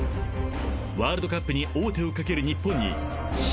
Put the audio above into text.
［ワールドカップに王手をかける］